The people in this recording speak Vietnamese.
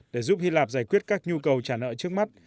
để giúp hy lạp giải quyết các nhu cầu trả nợ trước mắt